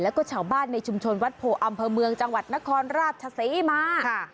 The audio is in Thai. แล้วก็ชาวบ้านในชุมชนวัดโพอำเภอเมืองจังหวัดนครราชศรีมาค่ะ